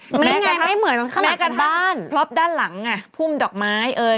ไม่ไงไม่เหมือนตรงข้างหลังของบ้านแม้กระทับด้านหลังอ่ะพุ่มดอกไม้เอ่ย